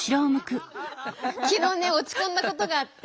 昨日ね落ち込んだことがあって。